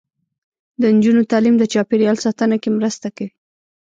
د نجونو تعلیم د چاپیریال ساتنه کې مرسته کوي.